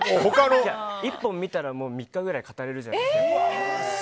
１本見たら３日ぐらい語れるじゃないですか。